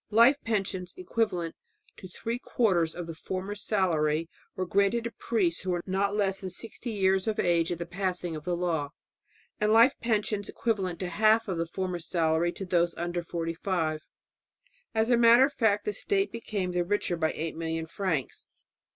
Life pensions equivalent to three quarters of the former salary were granted to priests who were not less than sixty years of age at the passing of the law, and life pensions equivalent to half of the former salary to those under forty five. As a matter of fact, the state became the richer by eight million francs.